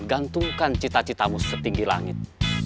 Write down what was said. gantungkan cita citamu setinggi langit